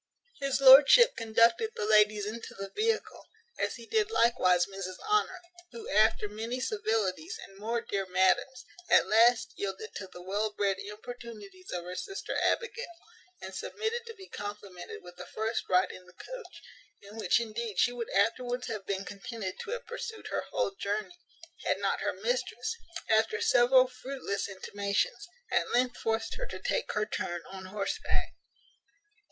His lordship conducted the ladies into the vehicle, as he did likewise Mrs Honour, who, after many civilities, and more dear madams, at last yielded to the well bred importunities of her sister Abigail, and submitted to be complimented with the first ride in the coach; in which indeed she would afterwards have been contented to have pursued her whole journey, had not her mistress, after several fruitless intimations, at length forced her to take her turn on horseback.